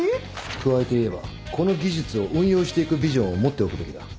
加えて言えばこの技術を運用していくビジョンを持っておくべきだ。